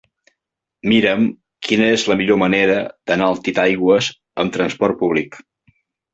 Mira'm quina és la millor manera d'anar a Titaigües amb transport públic.